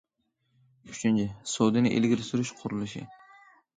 ئۈچىنچى، سودىنى ئىلگىرى سۈرۈش قۇرۇلۇشى.